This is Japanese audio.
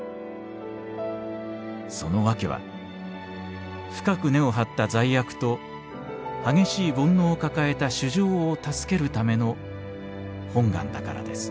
「そのわけは深く根を張った罪悪と激しい煩悩を抱えた衆生を助けるための本願だからです」。